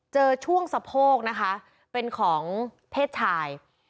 เจอช่วงสะโพกนะคะเป็นของเพศชาย